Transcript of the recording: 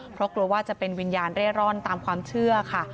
เพราะกลัวว่าจะเป็นวิญญาณเร่ร่อนตามความเชื่อค่ะ